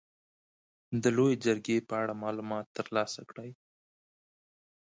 د لويې جرګې په اړه معلومات تر لاسه کړئ.